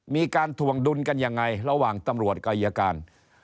มีการถ่วงดุลกันยังไงระหว่างตำรวจกับอายการ